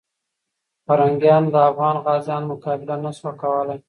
پرنګیانو د افغان غازیانو مقابله نسو کولای.